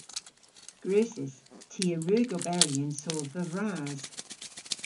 Gwrussys. Ty a wrug oberi yn sodhva vras.